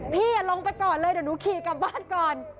พี่ลงไปก่อนเลยเดี๋ยวหนูขี่กลับบ้านก่อน